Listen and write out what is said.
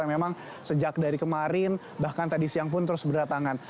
yang memang sejak dari kemarin bahkan tadi siang pun terus berdatangan